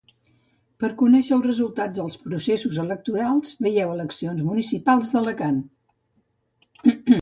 Per a conèixer els resultats dels processos electorals vegeu eleccions municipals d'Alacant.